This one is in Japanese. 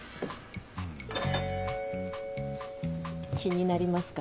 気になりますか？